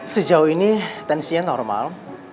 sejauh ini tensinya normal